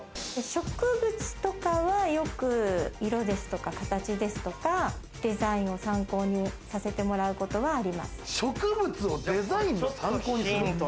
植物とかはよく、色ですとか、形ですとか、デザインを参考にさせてもらうことはあります。